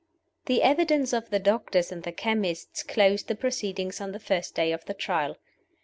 THE evidence of the doctors and the chemists closed the proceedings on the first day of the Trial.